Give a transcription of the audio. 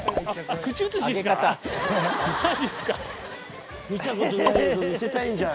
マジっすか。